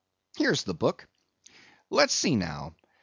Here's the book. Let's see now.